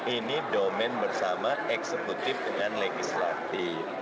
ini domen bersama eksekutif dengan legislatif